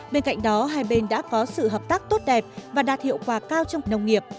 bên cạnh đó hai bên đã có sự hợp tác tốt đẹp và đạt hiệu quả cao trong nông nghiệp